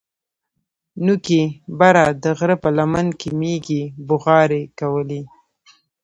نوکي بره د غره په لمن کښې مېږې بوغارې کولې.